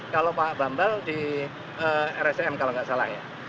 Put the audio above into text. kalau pak bambang di rsm kalau gak salah ya